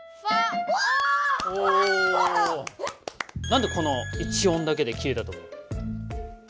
なんでこの１音だけで消えたと思う？